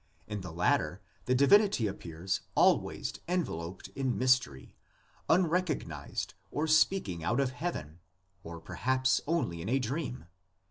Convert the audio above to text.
In the latter the divinity appears always enveloped in mystery, unrecognised or speaking out of Heaven, or per haps only in a dream.